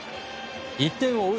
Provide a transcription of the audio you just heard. １点を追う